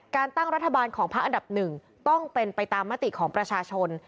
การตั้งรัฐบาลของพักอันดับหนึ่งต้องเป็นไปตามมติของประชาชน